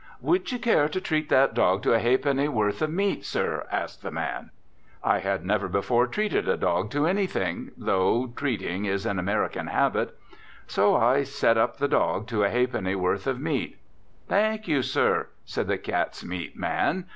"Would you care to treat that dog to a ha'penny's worth of meat, sir?" asked the man. I had never before treated a dog to anything, though treating is an American habit. So I "set up" the dog to a ha'penny's worth of meat. "Thank you, sir," said the cats' meat man.